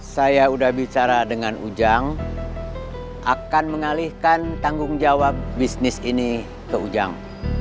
saya sudah bicara dengan ujang akan mengalihkan tanggung jawab bisnis ini ke ujang